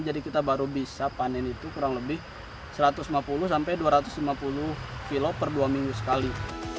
jadi kita baru bisa panen itu kurang lebih satu ratus lima puluh sampai dua ratus lima puluh kilo per dua minggu sekali